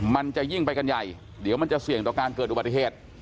มันจะยิ่งไปกันใหญ่เดี๋ยวมันจะเสี่ยงต่อการเกิดอุบัติเหตุ